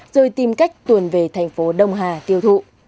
rồi tìm cách tuồn về thành phố đông hà tiêu thụ